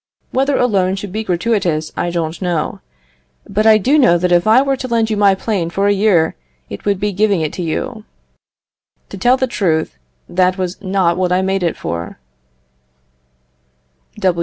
Whether a loan should be gratuitous I don't know; but I do know that if I were to lend you my plane for a year it would be giving it you. To tell you the truth, that was not what I made it for.